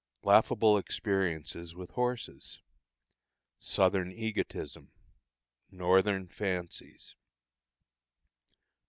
Laughable Experiences with Horses. Southern Egotism. Northern Fancies.